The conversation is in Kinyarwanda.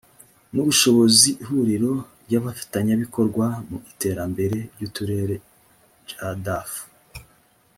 n ubushobozi ihuriro ry abafatanyabikorwa mu iterambere ry uturere jadf